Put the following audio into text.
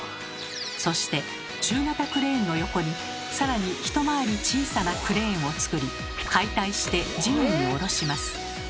そして中型クレーンの横に更に一回り小さなクレーンをつくり解体して地面に下ろします。